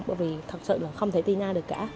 bởi vì thật sự là không thể tin nghe được cả